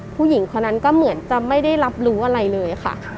ผู้หญิงคนนั้นก็เหมือนจะไม่ได้รับรู้อะไรเลยค่ะ